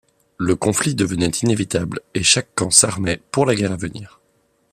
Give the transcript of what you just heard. Le conflit devenait inévitable et chaque camp s'armait pour la guerre à venir.